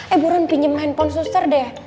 eh buruan pinjem handphone suster deh